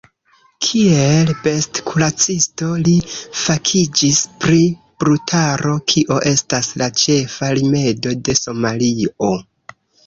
Kiel bestkuracisto li fakiĝis pri brutaro, kio estas la ĉefa rimedo de Somalio.